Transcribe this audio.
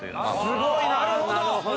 すごいなるほど。